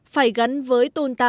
phải gắn với tôn tạo giữ gìn di tích